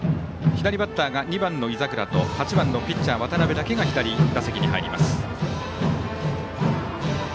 左バッターが２番の井櫻と８番のピッチャー渡辺だけが左打席に入ります。